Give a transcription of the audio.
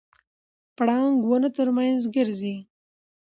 پړانګ ونو ترمنځ ګرځي.